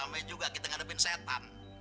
ramai juga kita ngadepin setan